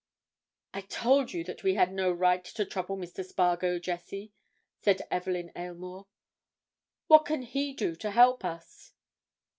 "I told you that we had no right to trouble Mr. Spargo, Jessie," said Evelyn Aylmore. "What can he do to help us?"